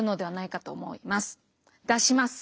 出します。